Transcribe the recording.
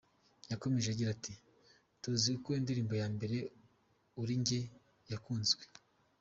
Yakomeje agira ati “Tuzi uko indirimbo ya mbere Uri Njye yakunzwe.